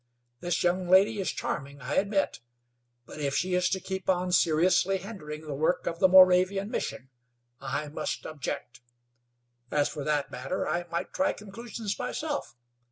This young lady is charming, I admit, but if she is to keep on seriously hindering the work of the Moravian Mission I must object. As for that matter, I might try conclusions myself.